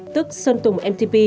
tức sơn tùng mtp